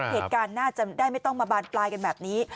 เหตุการณ์น่าจะได้ไม่ต้องมาบานปลายกันแบบนี้